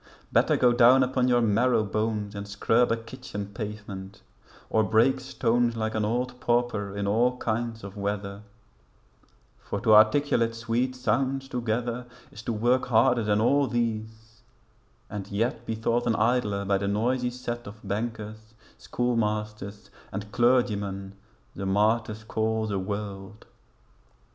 Better go down upon your marrow bones And scrub a kitchen pavement, or break stones Like an old pauper in all kinds of weather; For to articulate sweet sounds together Is to work harder than all these and yet Be thought an idler by the noisy set Of bankers, schoolmasters, and clergymen The martyrs call the world.'